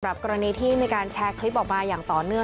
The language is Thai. กรณีที่มีการแชร์คลิปออกมาอย่างต่อเนื่อง